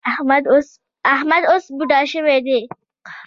احمد اوس بوډا شوی دی.